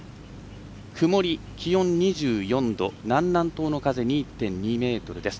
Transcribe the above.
曇り、気温２４度南南東の風２．２メートルです。